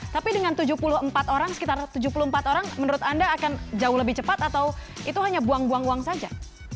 tapi dengan tujuh puluh empat orang sekitar tujuh puluh empat orang menurut anda akan jauh lebih cepat atau itu hanya buang buang buang saja